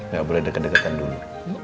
nggak boleh deket deketan dulu